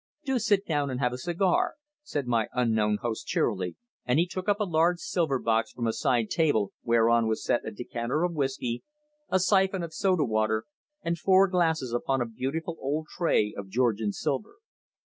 "Do sit down, and have a cigar," said my unknown host cheerily, and he took up a large silver box from a side table whereon was set a decanter of whisky, a syphon of soda water and four glasses upon a beautiful old tray of Georgian silver.